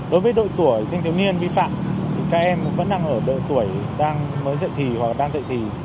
đối với đội tuổi thanh thiếu niên vi phạm các em vẫn đang ở đội tuổi đang mới dạy thí hoặc đang dạy thí